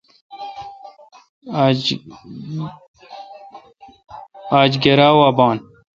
آج گرا وا بان۔